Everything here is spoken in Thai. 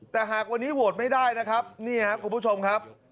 แต่หากวันนี้โหวตไม่ได้นะครับนี่ครับคุณผู้ชมครับ